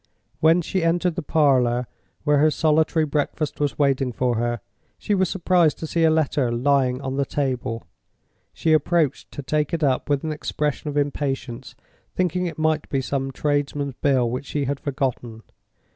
When she entered the parlor where her solitary breakfast was waiting for her, she was surprised to see a letter lying on the table. She approached to take it up with an expression of impatience, thinking it might be some tradesman's bill which she had forgotten.